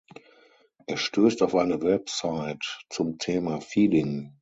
Er stößt auf eine Website zum Thema Feeding.